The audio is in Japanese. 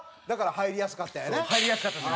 入りやすかったです。